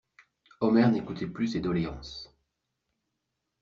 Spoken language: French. Omer n'écoutait plus ces doléances.